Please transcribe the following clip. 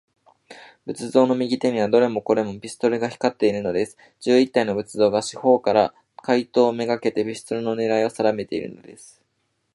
仏像の右手には、どれもこれも、ピストルが光っているのです。十一体の仏像が、四ほうから、怪盗めがけて、ピストルのねらいをさだめているのです。